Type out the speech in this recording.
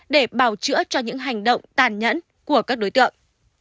để bào chữa cho những hành động tàn nhẫn của các đối tượng